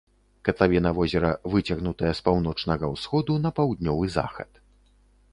Катлавіна возера выцягнутая з паўночнага ўсходу на паўднёвы захад.